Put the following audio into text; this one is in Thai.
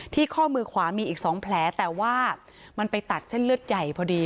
ข้อมือขวามีอีก๒แผลแต่ว่ามันไปตัดเส้นเลือดใหญ่พอดี